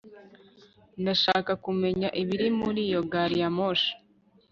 ndashaka kumenya ibiri muri iyo gari ya moshi